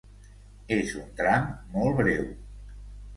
És un tram molt breu.